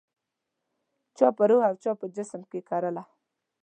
چا په روح او چا په جسم کې کرله